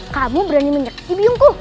kamu berani menyeksi biyungku